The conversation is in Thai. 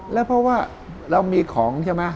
แล้วเพราะว่าเรามีของใช่ไหม